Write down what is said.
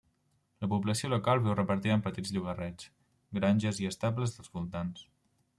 La població local viu repartida en petits llogarrets, granges i estables dels voltants.